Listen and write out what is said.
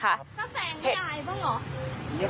ถ้าแซงไม่อายป้องเหรองั้นนี่ปากได้ปะ